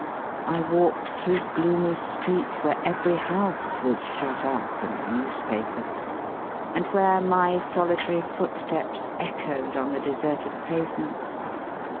I walked through gloomy streets where every house was shut up and newspapered, and where my solitary footsteps echoed on the deserted pavements.